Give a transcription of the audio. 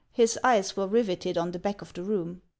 His eyes were riveted on the back of the room.